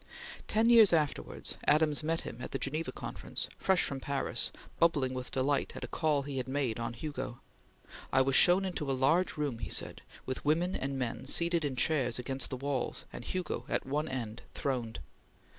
Ten years afterwards Adams met him at the Geneva Conference, fresh from Paris, bubbling with delight at a call he had made on Hugo: "I was shown into a large room," he said, "with women and men seated in chairs against the walls, and Hugo at one end throned.